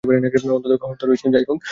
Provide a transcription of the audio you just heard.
অন্তত খবর তো তাই রয়েছে, যাই হোক।